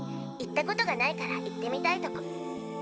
行ったことがないから行ってみたいとこ。